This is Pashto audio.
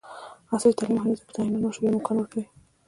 عصري تعلیم مهم دی ځکه چې د آنلاین مشورې امکان ورکوي.